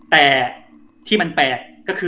แต่ที่มันแปลก